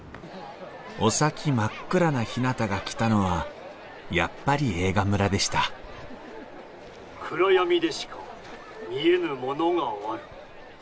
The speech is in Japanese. お先真っ暗なひなたが来たのはやっぱり映画村でした「暗闇でしか見えぬものがある」。